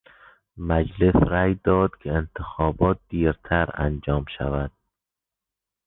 مجلس رای داد که انتخابات دیرتر انجام شود.